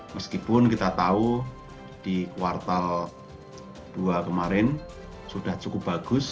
meskipun kita tahu di kuartal dua kemarin sudah cukup bagus